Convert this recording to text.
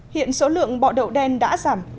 hiện số lượng bọ đậu đen đã giảm